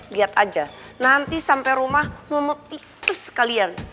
lihat aja nanti sampai rumah mama pites kalian